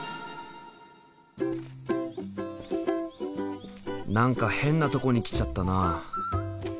何か変なとこに来ちゃったな。